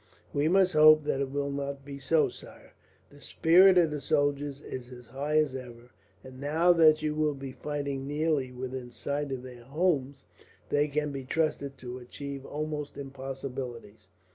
"We must hope that it will not be so, sire. The spirit of the soldiers is as high as ever and, now that they will be fighting nearly within sight of their homes, they can be trusted to achieve almost impossibilities."